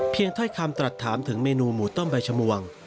ถ้อยคำตรัสถามถึงเมนูหมูต้มใบชมวง